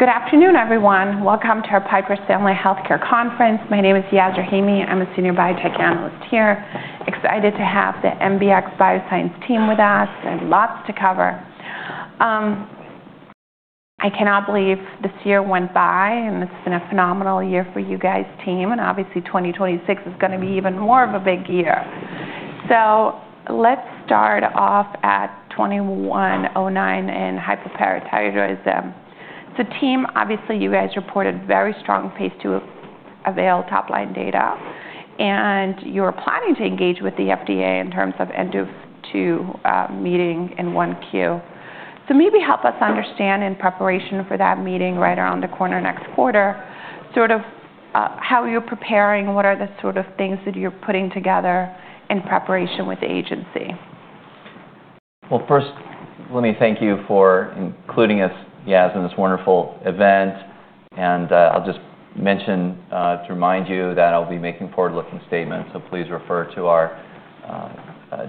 Good afternoon, everyone. Welcome to our Piper Sandler Healthcare Conference. My name is Yasmeen Rahimi. I'm a senior biotech analyst here. Excited to have the MBX Biosciences team with us and lots to cover. I cannot believe this year went by, and this has been a phenomenal year for you guys' team. Obviously, 2026 is going to be even more of a big year. Let's start off at MBX 2109 in hypoparathyroidism. Team, obviously, you guys reported very strong phase II AVAIL top-line data, and you were planning to engage with the FDA in terms of end-of-year meeting in Q1. Maybe help us understand, in preparation for that meeting right around the corner next quarter, sort of how you're preparing, what are the sort of things that you're putting together in preparation with the agency. First, let me thank you for including us, Yaz, in this wonderful event. And I'll just mention to remind you that I'll be making forward-looking statements, so please refer to our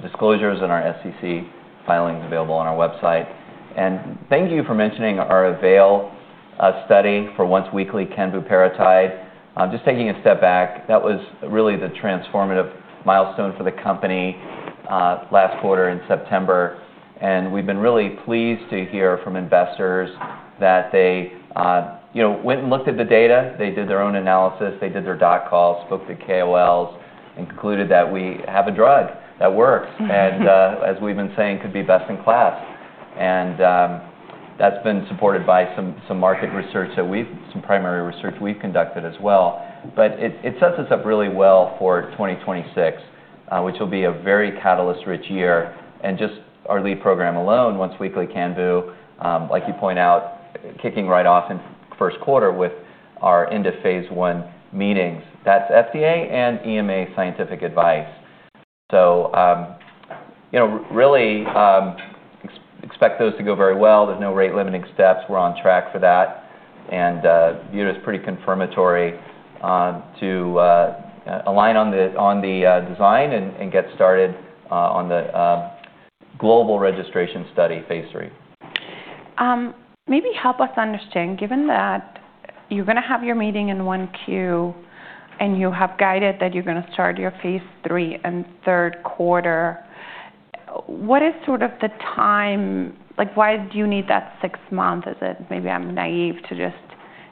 disclosures and our SEC filings available on our website. And thank you for mentioning our AVAIL study for once-weekly canvuparatide. Just taking a step back, that was really the transformative milestone for the company last quarter in September. And we've been really pleased to hear from investors that they went and looked at the data, they did their own analysis, they did their doc calls, spoke to KOLs, concluded that we have a drug that works and, as we've been saying, could be best in class. And that's been supported by some primary research we've conducted as well. But it sets us up really well for 2026, which will be a very catalyst-rich year. Just our lead program alone, once-weekly canvuparatide, like you point out, kicking right off in first quarter with our end-of-phase I meetings. That's FDA and EMA scientific advice. Really expect those to go very well. There's no rate-limiting steps. We're on track for that. Viewed as pretty confirmatory to align on the design and get started on the global registration study, phase III. Maybe help us understand, given that you're going to have your meeting in Q1 and you have guided that you're going to start your phase III in third quarter, what is sort of the time? Why do you need that six months? Is it maybe I'm naive to just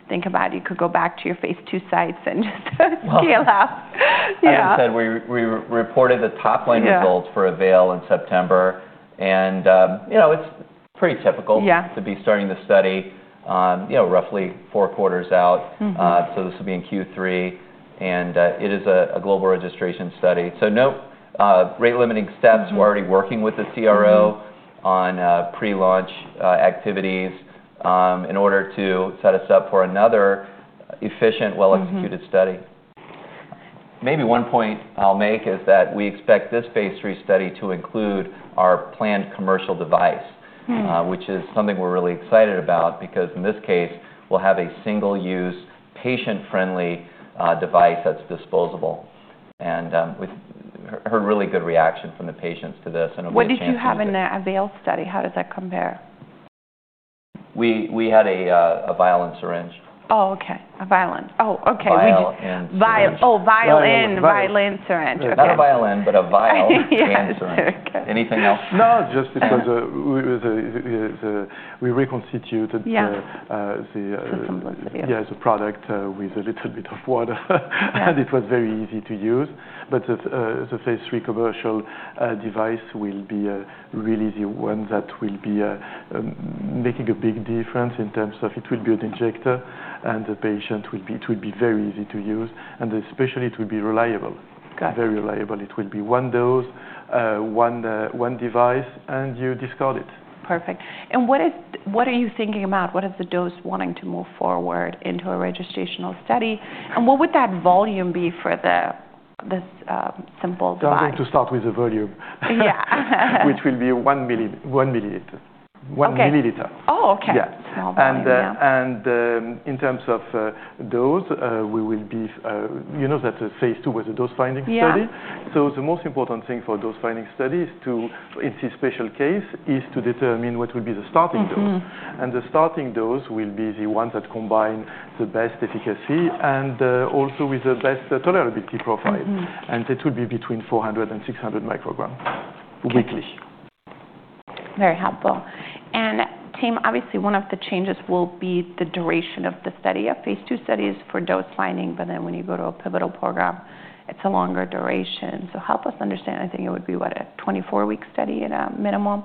think about it? You could go back to your phase II sites and just scale out. As I said, we reported the top-line results for AVAIL in September. It's pretty typical to be starting the study roughly four quarters out. This will be in Q3, and it is a global registration study. No rate-limiting steps. We're already working with the CRO on pre-launch activities in order to set us up for another efficient, well-executed study. Maybe one point I'll make is that we expect this phase III study to include our planned commercial device, which is something we're really excited about because in this case, we'll have a single-use patient-friendly device that's disposable. We've heard really good reaction from the patients to this. What did you have in the AVAIL study? How does that compare? We had vial and syringe. Oh, okay. AVAIL and oh, vial and vial and syringe. Okay. Not a vial and, but vial and syringe. Anything else? No, just because we reconstituted the product with a little bit of water and it was very easy to use, but the phase III commercial device will be really the one that will be making a big difference in terms of it will be an injector and it will be very easy to use, and especially, it will be reliable, very reliable. It will be one dose, one device, and you discard it. Perfect. And what are you thinking about? What is the dose wanting to move forward into a registration study? And what would that volume be for this simple device? I'm going to start with the volume, which will be 1 mL. 1 mL. Oh, okay. Small volume. And in terms of dose, we will be, you know that phase II was a dose-finding study? Yeah. The most important thing for a dose-finding study in this special case is to determine what will be the starting dose. The starting dose will be the ones that combine the best efficacy and also with the best tolerability profile. It will be between 400 and 600 micrograms weekly. Very helpful. And team, obviously, one of the changes will be the duration of the study of phase II studies for dose-finding, but then when you go to a pivotal program, it's a longer duration. So help us understand, I think it would be, what, a 24-week study at a minimum.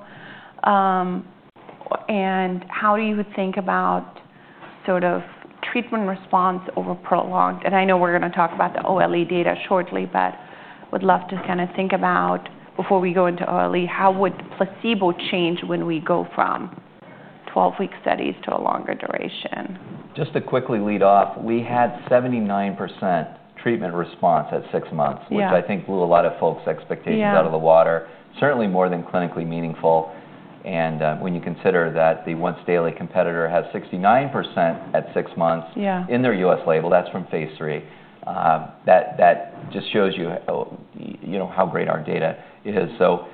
And how do you think about sort of treatment response over prolonged? And I know we're going to talk about the OLE data shortly, but would love to kind of think about, before we go into OLE, how would placebo change when we go from 12-week studies to a longer duration? Just to quickly lead off, we had 79% treatment response at six months, which I think blew a lot of folks' expectations out of the water. Certainly more than clinically meaningful and when you consider that the once-daily competitor has 69% at six months in their U.S. label, that's from phase III, that just shows you how great our data is, so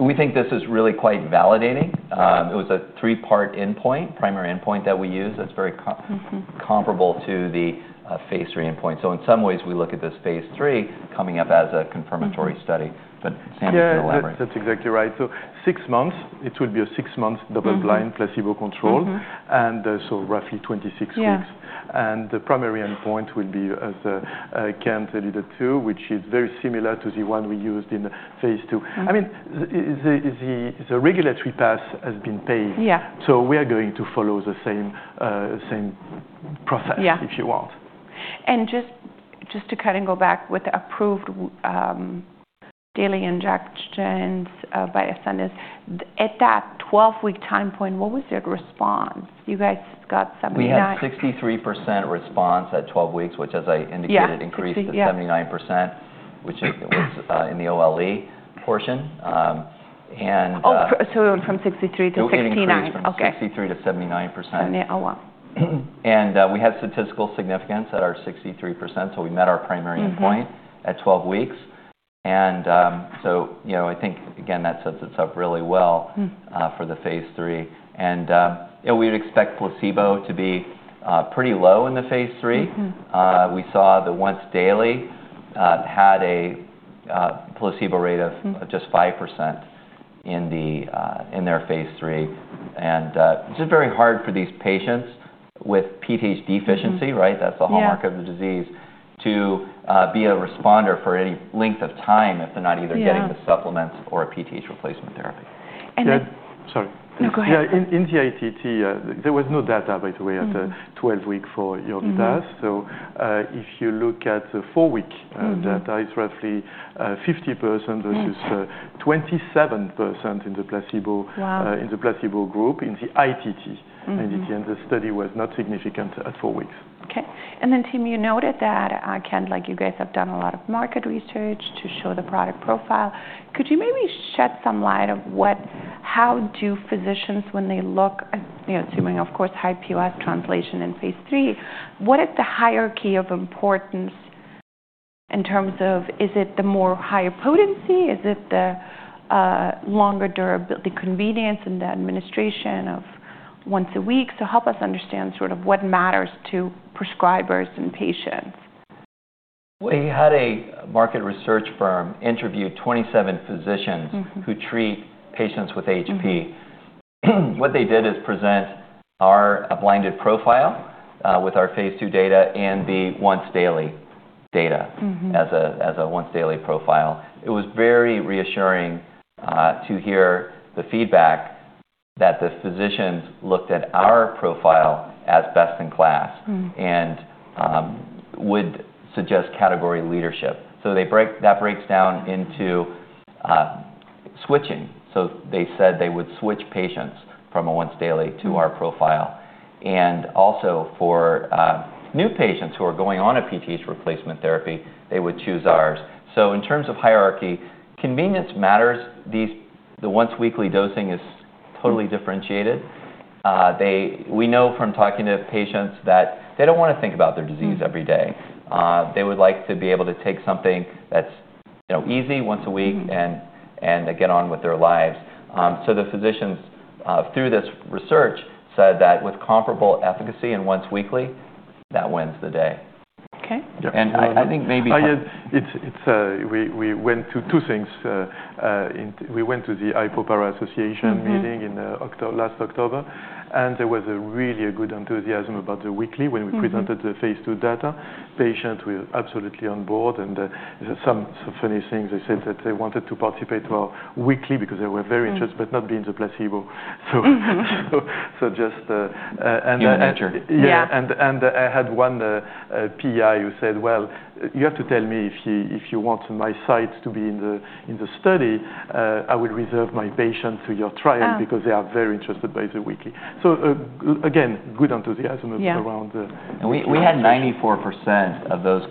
we think this is really quite validating. It was a three-part endpoint, primary endpoint that we use that's very comparable to the phase III endpoint, so in some ways, we look at this phase III coming up as a confirmatory study, but Sam, you can elaborate. Yeah, that's exactly right. So six months, it will be a six-month double-blind placebo control. And so roughly 26 weeks. And the primary endpoint will be, as Kent alluded to, which is very similar to the one we used in phase II. I mean, the regulatory path has been paved. So we are going to follow the same process, if you want. Just to kind of go back with the approved daily injections by Ascendis, at that 12-week time point, what was your response? You guys got 79? We had 63% response at 12 weeks, which, as I indicated, increased to 79%, which was in the OLE portion. From 63-69. Increased from 63%-79%. Oh, wow. We had statistical significance at our 63%, so we met our primary endpoint at 12 weeks. I think, again, that sets us up really well for the phase III. We would expect placebo to be pretty low in the phase III. We saw the once-daily had a placebo rate of just 5% in their phase III. It's just very hard for these patients with PTH deficiency, right? That's the hallmark of the disease, to be a responder for any length of time if they're not either getting the supplements or a PTH replacement therapy. Sorry. No, go ahead. Yeah, in the ITT, there was no data, by the way, at the 12-week for Yorvipath. So if you look at the four-week data, it's roughly 50% versus 27% in the placebo group in the ITT. And the study was not significant at four weeks. Okay. Team, you noted that, Kent, like you guys have done a lot of market research to show the product profile. Could you maybe shed some light on how physicians, when they look, assuming, of course, high POS translation in phase III, what is the hierarchy of importance in terms of, is it the more higher potency? Is it the longer durability, convenience in the administration of once a week? Help us understand sort of what matters to prescribers and patients. We had a market research firm interview 27 physicians who treat patients with HP. What they did is present our blinded profile with our phase II data and the once-daily data as a once-daily profile. It was very reassuring to hear the feedback that the physicians looked at our profile as best in class and would suggest category leadership. So that breaks down into switching. So they said they would switch patients from a once-daily to our profile. And also for new patients who are going on a PTH replacement therapy, they would choose ours. So in terms of hierarchy, convenience matters. The once-weekly dosing is totally differentiated. We know from talking to patients that they don't want to think about their disease every day. They would like to be able to take something that's easy once a week and get on with their lives. So the physicians, through this research, said that with comparable efficacy and once-weekly, that wins the day. And I think maybe. We went to two things. We went to the Hypoparathyroidism Association meeting last October. And there was really a good enthusiasm about the weekly when we presented the phase II data. Patients were absolutely on board. And some funny things, they said that they wanted to participate weekly because they were very interested, but not being the placebo. So just. And the picture. Yeah. And I had one PI who said, "Well, you have to tell me if you want my site to be in the study. I will reserve my patients to your trial because they are very interested by the weekly." So again, good enthusiasm around. We had 94% of those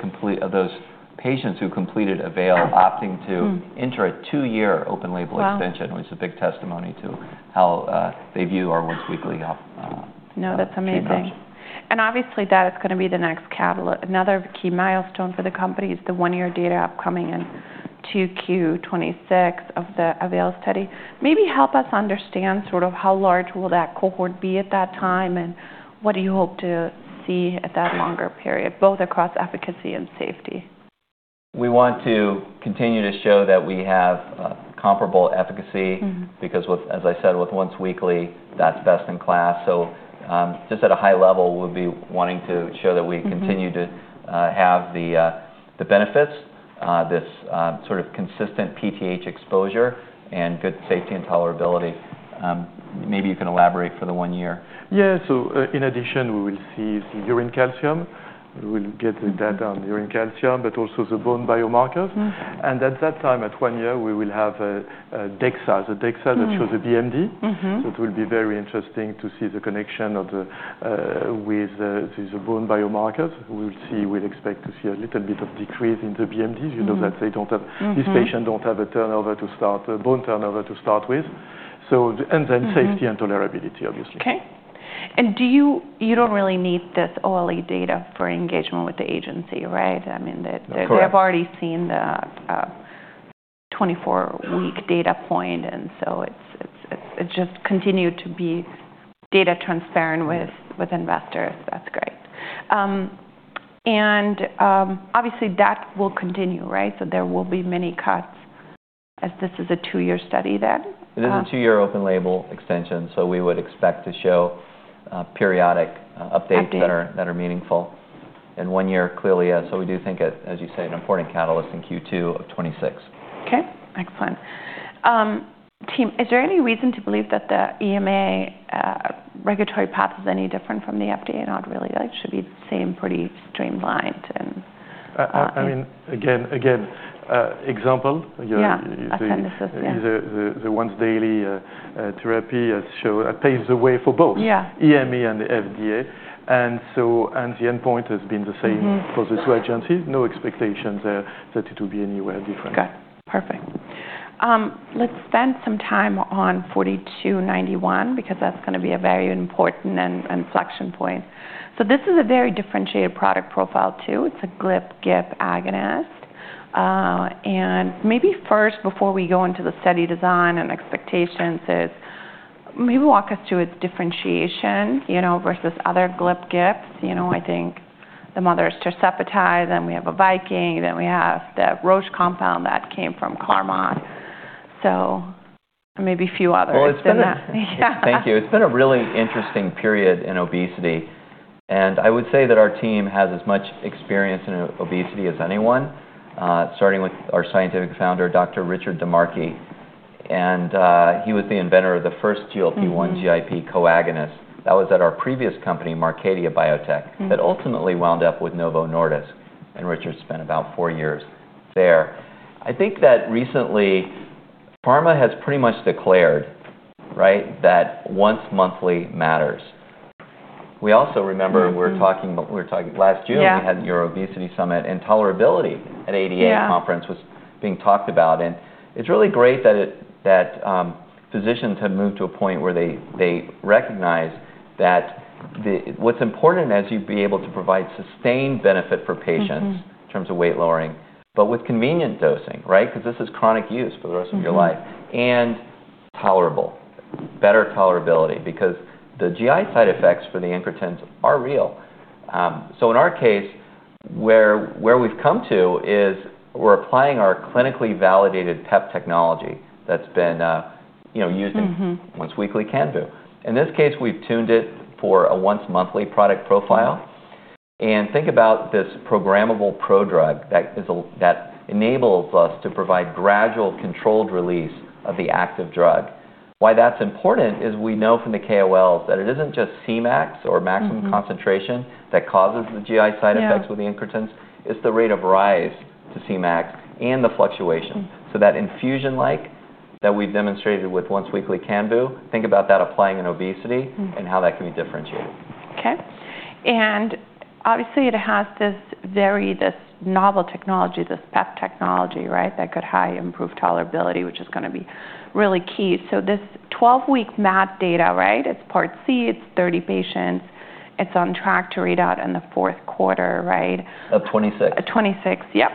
patients who completed AVAIL opting to enter a two-year open-label extension, which is a big testimony to how they view our once-weekly treatment option. No, that's amazing, and obviously, that is going to be the next catalyst. Another key milestone for the company is the one-year data upcoming in Q2 2026 of the AVAIL study. Maybe help us understand sort of how large will that cohort be at that time, and what do you hope to see at that longer period, both across efficacy and safety? We want to continue to show that we have comparable efficacy because, as I said, with once-weekly, that's best in class. So just at a high level, we'll be wanting to show that we continue to have the benefits, this sort of consistent PTH exposure, and good safety and tolerability. Maybe you can elaborate for the one year. Yeah. So in addition, we will see the urine calcium. We will get the data on urine calcium, but also the bone biomarkers. And at that time, at one year, we will have a DEXA, the DEXA that shows a BMD. So it will be very interesting to see the connection with the bone biomarkers. We'll expect to see a little bit of decrease in the BMDs. You know that these patients don't have a bone turnover to start with. And then safety and tolerability, obviously. Okay. And you don't really need this OLE data for engagement with the agency, right? I mean, they've already seen the 24-week data point. And so it's just continued to be data transparent with investors. That's great. And obviously, that will continue, right? So there will be many cuts as this is a two-year study then? It is a two-year open-label extension. So we would expect to show periodic updates that are meaningful. And one year, clearly, yes. So we do think, as you say, an important catalyst in Q2 of 2026. Okay. Excellent. Team, is there any reason to believe that the EMA regulatory path is any different from the FDA? Not really. It should be the same, pretty streamlined. I mean, again, example. Yeah, Ascendis. The once-daily therapy paves the way for both EMA and the FDA. And the endpoint has been the same for the two agencies. No expectation there that it will be anywhere different. Good. Perfect. Let's spend some time on 4291 because that's going to be a very important inflection point. So this is a very differentiated product profile too. It's a GLP-1/GIP agonist. And maybe first, before we go into the study design and expectations, maybe walk us through its differentiation versus other GLP-1/GIPs. I think the mother is tirzepatide, then we have a Viking, then we have the Roche compound that came from Carmot. So maybe a few others. Well, it's been. Yeah. Thank you. It's been a really interesting period in obesity. And I would say that our team has as much experience in obesity as anyone, starting with our scientific founder, Dr. Richard DiMarchi. And he was the inventor of the first GLP-1, GIP co-agonist. That was at our previous company, Marcadia Biotech, that ultimately wound up with Novo Nordisk. And Richard spent about four years there. I think that recently, pharma has pretty much declared that once monthly matters. We also remember we were talking last June, we had your obesity summit, and tolerability at ADA conference was being talked about. And it's really great that physicians have moved to a point where they recognize that what's important is you'd be able to provide sustained benefit for patients in terms of weight lowering, but with convenient dosing, right? Because this is chronic use for the rest of your life. And tolerable, better tolerability because the GI side effects for the incretins are real. So in our case, where we've come to is we're applying our clinically validated PEP technology that's been used in once-weekly canvuparatide. In this case, we've tuned it for a once-monthly product profile. And think about this programmable prodrug that enables us to provide gradual controlled release of the active drug. Why that's important is we know from the KOLs that it isn't just Cmax or maximum concentration that causes the GI side effects with the incretins. It's the rate of rise to Cmax and the fluctuation. So that infusion-like that we've demonstrated with once-weekly canvuparatide, think about that applying in obesity and how that can be differentiated. Okay. And obviously, it has this very novel technology, this PEP technology, right, that could highly improve tolerability, which is going to be really key. So this 12-week MAD data, right, it's part C, it's 30 patients, it's on track to read out in the fourth quarter, right? Of '26. Of 2026, yep.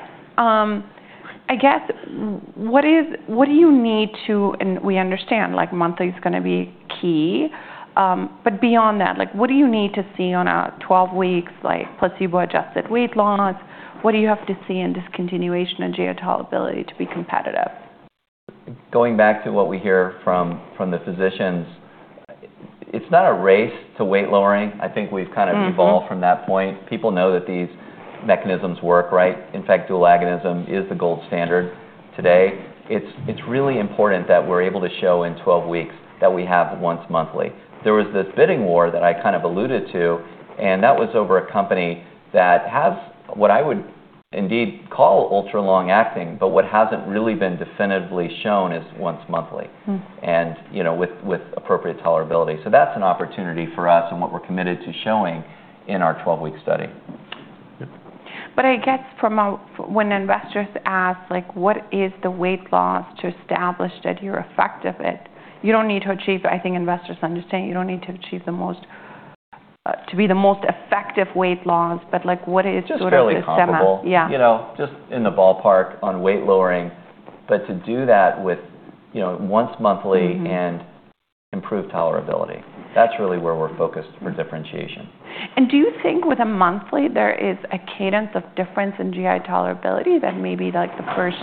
I guess what do you need to, and we understand monthly is going to be key, but beyond that, what do you need to see on a 12-week placebo-adjusted weight loss? What do you have to see in discontinuation and GI tolerability to be competitive? Going back to what we hear from the physicians, it's not a race to weight lowering. I think we've kind of evolved from that point. People know that these mechanisms work, right? In fact, dual agonism is the gold standard today. It's really important that we're able to show in 12 weeks that we have once monthly. There was this bidding war that I kind of alluded to, and that was over a company that has what I would indeed call ultra-long-acting, but what hasn't really been definitively shown is once monthly and with appropriate tolerability. So that's an opportunity for us and what we're committed to showing in our 12-week study. But I guess when investors ask, what is the weight loss to establish that you're effective at? You don't need to achieve. I think investors understand, you don't need to achieve to be the most effective weight loss, but what is sort of the semi-. Just fairly comparable. Yeah. Just in the ballpark on weight lowering, but to do that with once-monthly and improved tolerability. That's really where we're focused for differentiation. Do you think with a monthly, there is a cadence of difference in GI tolerability that maybe the first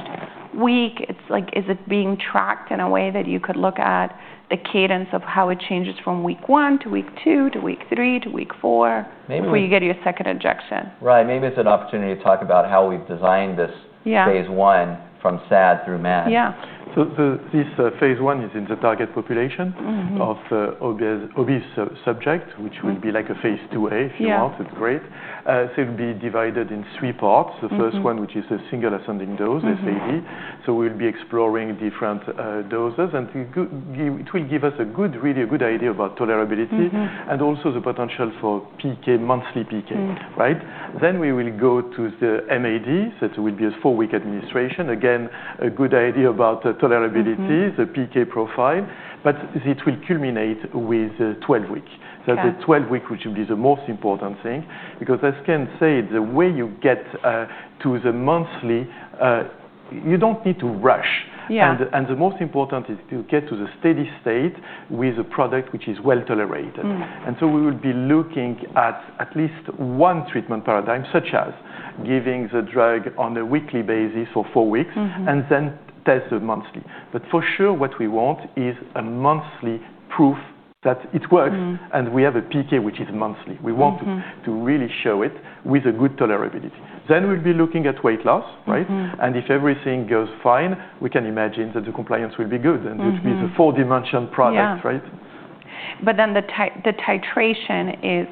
week, is it being tracked in a way that you could look at the cadence of how it changes from week one to week two to week three to week four before you get your second injection? Right. Maybe it's an opportunity to talk about how we've designed this phase I from SAD through MAD. Yeah. So this phase I is in the target population of obese subjects, which will be like a phase IIa, if you want. It's great. So it will be divided in three parts. The first one, which is a single ascending dose, SAD. So we will be exploring different doses. And it will give us a really good idea about tolerability and also the potential for monthly PK, right? Then we will go to the MAD, so it will be a four-week administration. Again, a good idea about tolerability, the PK profile, but it will culminate with 12-week. So the 12-week, which will be the most important thing, because as Kent said, the way you get to the monthly, you do not need to rush. And the most important is to get to the steady state with a product which is well tolerated. And so we will be looking at least one treatment paradigm, such as giving the drug on a weekly basis for four weeks and then test the monthly. But for sure, what we want is a monthly proof that it works and we have a PK which is monthly. We want to really show it with a good tolerability. Then we'll be looking at weight loss, right? And if everything goes fine, we can imagine that the compliance will be good and it will be the foundational product, right? But then the titration is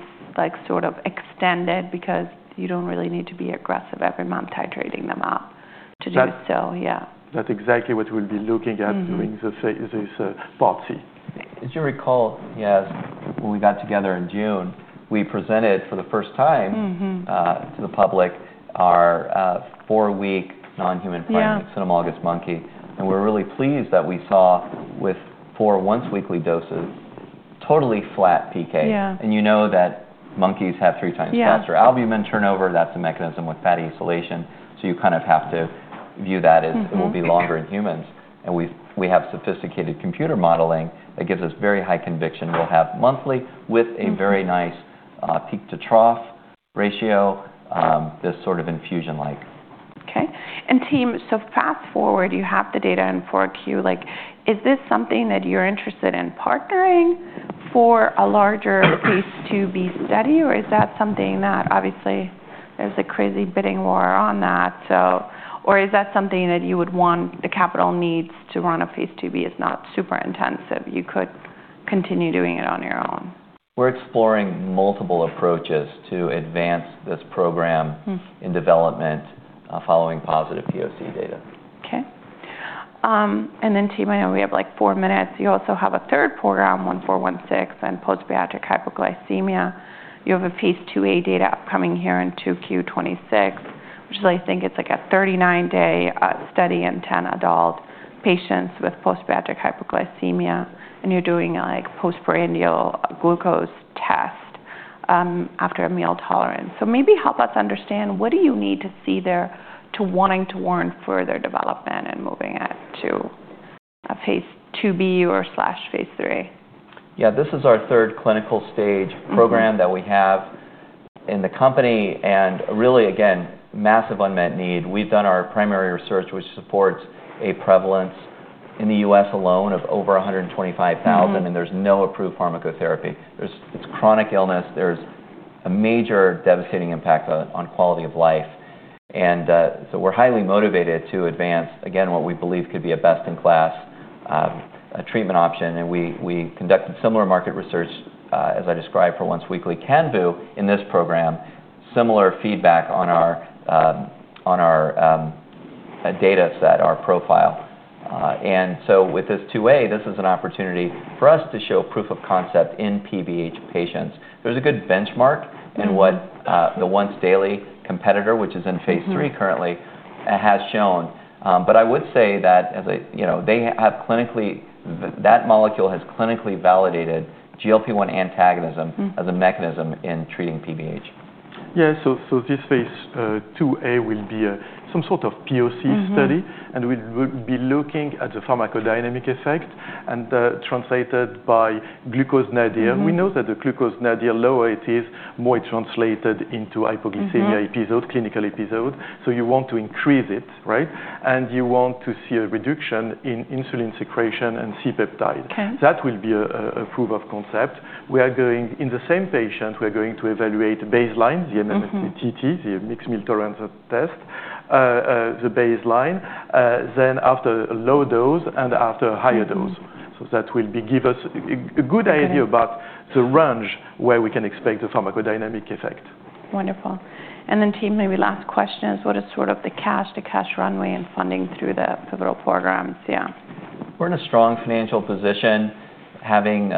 sort of extended because you don't really need to be aggressive every month titrating them up to do so. Yeah. That's exactly what we'll be looking at during this part C. As you recall, yes, when we got together in June, we presented for the first time to the public our four-week non-human primate in cynomolgus monkey. We're really pleased that we saw with four once-weekly doses, totally flat PK. You know that monkeys have three times faster albumin turnover. That's a mechanism with fatty insulation. So you kind of have to view that as it will be longer in humans. We have sophisticated computer modeling that gives us very high conviction we'll have monthly with a very nice peak-to-trough ratio, this sort of infusion-like. Okay. And team, so fast forward, you have the data in Q4. Is this something that you're interested in partnering for a larger phase IIb study, or is that something that obviously there's a crazy bidding war on that? Or is that something that you would want the capital needs to run a phase IIb is not super intensive? You could continue doing it on your own. We're exploring multiple approaches to advance this program in development following positive POC data. Okay. And then team, I know we have like four minutes. You also have a third program, 1416, and post-bariatric hypoglycemia. You have a phase IIa data upcoming here in Q2 2026, which is, I think it's like a 39-day study in 10 adult patients with post-bariatric hypoglycemia. And you're doing a postprandial glucose test after a meal tolerance. So maybe help us understand what do you need to see there to wanting to warrant further development and moving it to a phase IIb or slash phase III? Yeah. This is our third clinical stage program that we have in the company and really, again, massive unmet need. We've done our primary research, which supports a prevalence in the U.S. alone of over 125,000, and there's no approved pharmacotherapy. It's chronic illness. There's a major devastating impact on quality of life and so we're highly motivated to advance, again, what we believe could be a best-in-class treatment option and we conducted similar market research, as I described, for once-weekly canvuparatide in this program, similar feedback on our data set, our profile and so with this 2A, this is an opportunity for us to show proof of concept in PBH patients. There's a good benchmark in what the once-daily competitor, which is in phase III currently, has shown. But I would say that they have clinically. That molecule has clinically validated GLP-1 antagonism as a mechanism in treating PBH. Yeah. So this phase IIa will be some sort of POC study, and we'll be looking at the pharmacodynamic effect and translated by glucose nadir. We know that the glucose nadir lower it is, more translated into hypoglycemia episode, clinical episode. So you want to increase it, right? And you want to see a reduction in insulin secretion and C-peptide. That will be a proof of concept. We are going, in the same patient, we are going to evaluate baseline, the MMTT, the mixed meal tolerance test, the baseline, then after a low dose and after a higher dose. So that will give us a good idea about the range where we can expect the pharmacodynamic effect. Wonderful. And then, team, maybe last question is, what is sort of the cash runway and funding through the pivotal programs? Yeah. We're in a strong financial position, having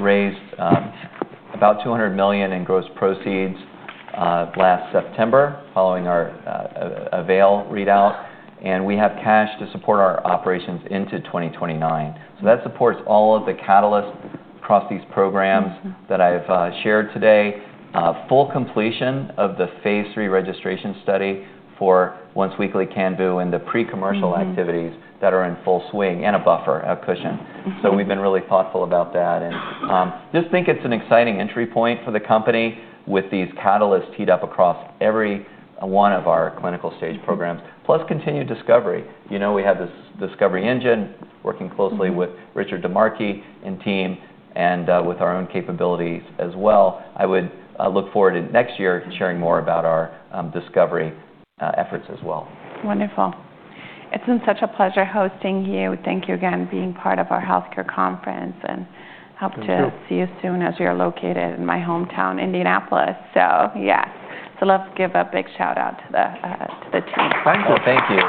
raised about $200 million in gross proceeds last September following our AVAIL readout, and we have cash to support our operations into 2029. So that supports all of the catalysts across these programs that I've shared today: full completion of the phase III registration study for once-weekly canvuparatide, the pre-commercial activities that are in full swing, and a buffer, a cushion. So we've been really thoughtful about that, and just think it's an exciting entry point for the company with these catalysts heat up across every one of our clinical-stage programs, plus continued discovery. We have this discovery engine working closely with Richard DiMarchi and team and with our own capabilities as well. I would look forward to next year sharing more about our discovery efforts as well. Wonderful. It's been such a pleasure hosting you. Thank you again for being part of our healthcare conference, and hope to see you soon as we are located in my hometown, Indianapolis. So yes. So let's give a big shout-out to the team. Thank you.